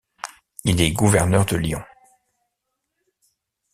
Il est gouverneur de Lyon.